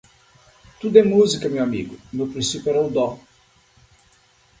Tudo é musica, meu amigo. No principio era o dó